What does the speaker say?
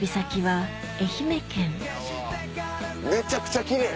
めちゃくちゃ奇麗。